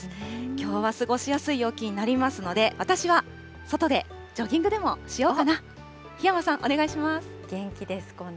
きょうは過ごしやすい陽気になりますので、私は外でジョギングでもしようかな、檜山さん、お願いします。